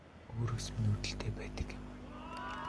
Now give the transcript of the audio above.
Өөрөөс минь үүдэлтэй байдаг юм